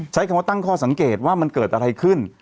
ใช้คำว่าตั้งข้อสังเกตว่ามันเกิดอะไรขึ้น